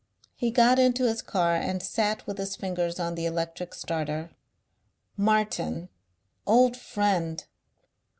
He got into his car and sat with his fingers on the electric starter. Martin! Old Friend!